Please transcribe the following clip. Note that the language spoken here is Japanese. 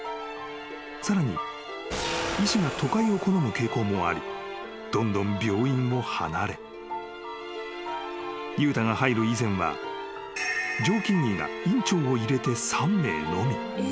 ［さらに医師が都会を好む傾向もありどんどん病院を離れ］［悠太が入る以前は常勤医は院長を入れて３名のみ］